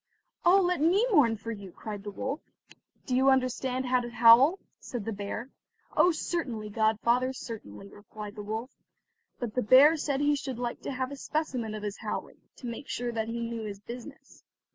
"Oh, let me mourn for you," cried the wolf. "Do you understand how to howl?" said the bear. "Oh, certainly, godfather, certainly," replied the wolf; but the bear said he should like to have a specimen of his howling, to make sure that he knew his business.